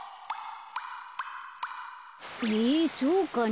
そうかな。